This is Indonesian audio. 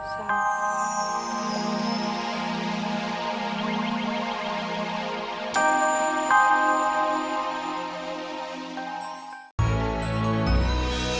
sampai jumpa lagi